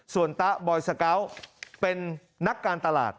ส่วนตะบอยสเกาะเป็นนักการตลาด